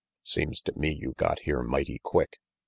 "Seems to me you got here mighty quick."